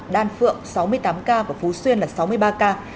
đan phượng sáu mươi tám ca và phú xuyên là sáu mươi ba ca